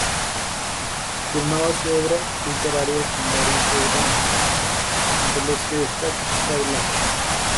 Firmaba su obra literaria con varios seudónimos, entre los que destaca Fray Lápiz.